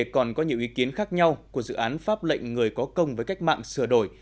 còn có nhiều ý kiến khác nhau của dự án pháp lệnh người có công với cách mạng sửa đổi